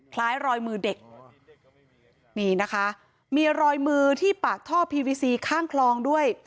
คล้ายรอยมือเด็กนี่นะคะมีรอยมือที่ปากท่อพีวีซีข้างคลองด้วย